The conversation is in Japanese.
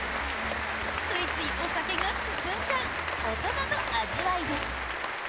ついついお酒が進んじゃう大人の味わいです。